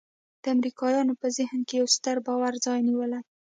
د امریکایانو په ذهن کې یو ستر باور ځای نیولی.